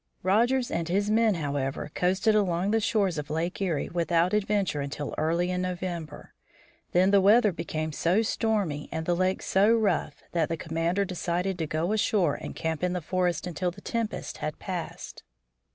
Rogers and his men, however, coasted along the shores of Lake Erie without adventure until early in November. Then the weather became so stormy and the lake so rough that the commander decided to go ashore and camp in the forest until the tempest had passed.